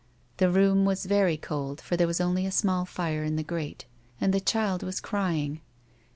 The room was very cold, for there was only a small fire A WOMAN'S LIFE. 10] in the grate, and the child was crying.